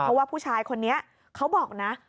เพราะว่าผู้ชายคนนี้เขาบอกนะ